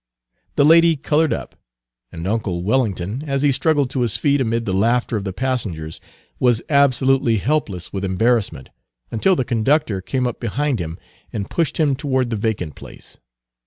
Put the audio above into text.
The lady colored up, and uncle Wellington, as he struggled to his feet amid the laughter of the passengers, was absolutely helpless with embarrassment, until the conductor came up behind him and pushed him toward the vacant place.